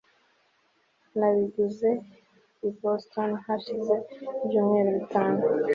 nabiguze i boston hashize ibyumweru bitatu